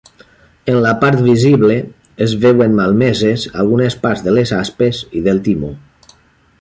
En la part visible es veuen malmeses algunes parts de les aspes i del timó.